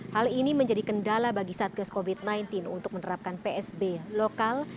hal ini menjadi kendala bagi satgas covid sembilan belas untuk menerapkan psb lokal